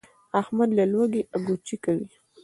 احمد له لوږې اګوچې کوي.